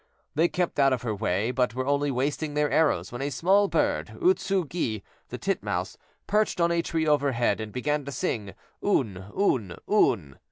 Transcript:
They kept out of her way, but were only wasting their arrows when a small bird, Utsu'`gi, the titmouse, perched on a tree overhead and began to sing "un, un, un."